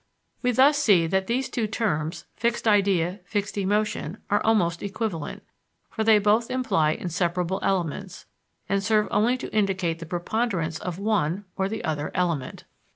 We thus see that these two terms fixed idea, fixed emotion are almost equivalent, for they both imply inseparable elements, and serve only to indicate the preponderance of one or the other element.